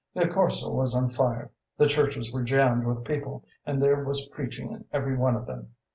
The Corso was on fire; the churches were jammed with people, and there was preaching in every one of them.